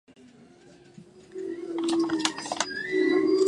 トイボブ